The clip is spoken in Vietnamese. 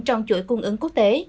trong chuỗi cung ứng quốc tế